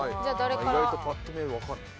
意外とパッと見はわかんない。